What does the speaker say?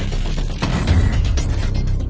ตอนนี้ก็ไม่มีอัศวินทรีย์